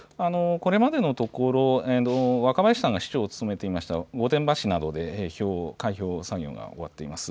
これまでのところ若林さんが市長を務めていた御殿場市などで開票が進んでいます。